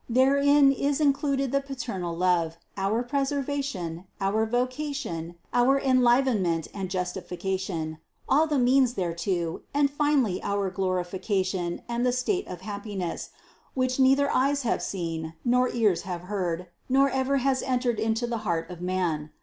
Therein is included the paternal love, our preservation, our vocation, our enlivenment and justification, all the means thereto, and finally our glorification and the state of happiness, which neither eyes have seen, nor ears have heard, nor ever has en tered into the heart of man.